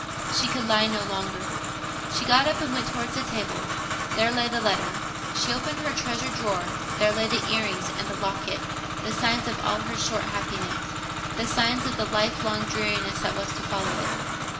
She could lie no longer. She got up and went towards the table: there lay the letter. She opened her treasure drawer: there lay the ear rings and the locket—the signs of all her short happiness—the signs of the lifelong dreariness that was to follow it.